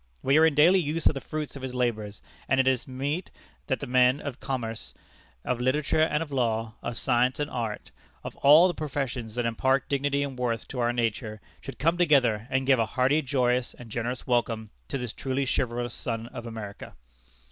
We are in daily use of the fruits of his labors; and it is meet that the men of commerce, of literature and of law, of science and art of all the professions that impart dignity and worth to our nature should come together and give a hearty, joyous, and generous welcome to this truly chivalrous son of America."